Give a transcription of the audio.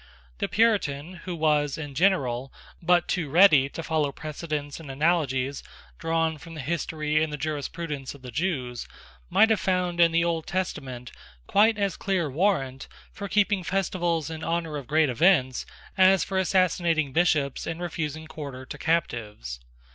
The Puritan, who was, in general, but too ready to follow precedents and analogies drawn from the history and jurisprudence of the Jews, might have found in the Old Testament quite as clear warrant for keeping festivals in honour of great events as for assassinating bishops and refusing quarter to captives.